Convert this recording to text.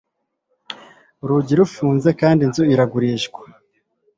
Urugi rufunze kandi inzu iragurishwa